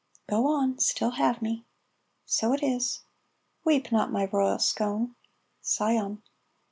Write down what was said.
("Go on 'Still have me.'") ("So it is.") "Weep not, my royal scone " ("Scion.")